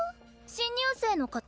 新入生の方？